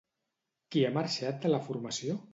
Qui ha marxat de la formació?